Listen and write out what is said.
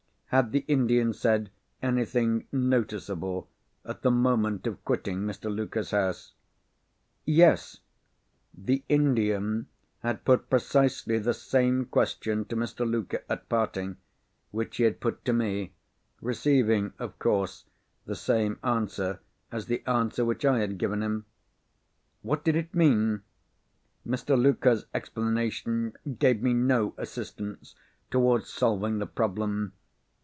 Had the Indian said anything noticeable, at the moment of quitting Mr. Luker's house? Yes! The Indian had put precisely the same question to Mr. Luker, at parting, which he had put to me; receiving of course, the same answer as the answer which I had given him. What did it mean? Mr. Luker's explanation gave me no assistance towards solving the problem.